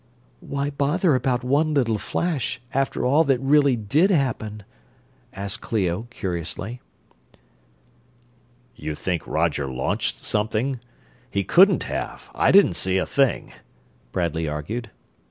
"Why bother about one little flash, after all that really did happen?" asked Clio, curiously. "You think Roger launched something? He couldn't have I didn't see a thing," Bradley argued.